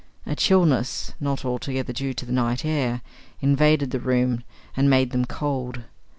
A chilliness, not altogether due to the night air, invaded the room, and made them cold.